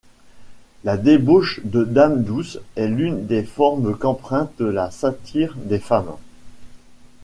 La débauche de Dame douce est l'une des formes qu'emprunte la satire des femmes.